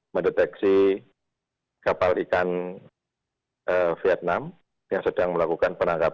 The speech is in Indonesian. mendeteksi kapal ikan vietnam yang sedang melakukan penangkapan